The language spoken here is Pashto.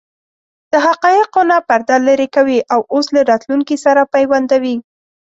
د حقایقو نه پرده لرې کوي او اوس له راتلونکې سره پیوندوي.